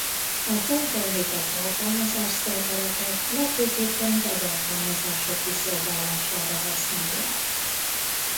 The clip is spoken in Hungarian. A fent említett alkalmazásszervereket legfőképpen webalkalmazások kiszolgálására használják.